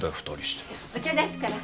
お茶出すから。